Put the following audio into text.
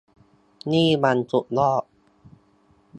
นี่มันสุดยอด !